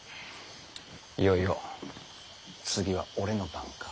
いよいよ次は俺の番か。